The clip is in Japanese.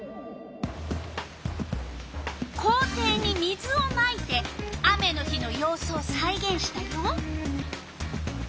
校庭に水をまいて雨の日のようすをさいげんしたよ。